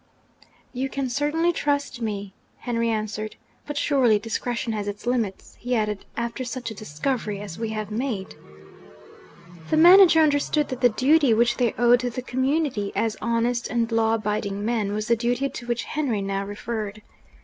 'You can certainly trust me,' Henry answered. 'But surely discretion has its limits,' he added, 'after such a discovery as we have made?' The manager understood that the duty which they owed to the community, as honest and law abiding men, was the duty to which Henry now referred.